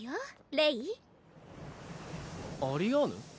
レイアリアーヌ？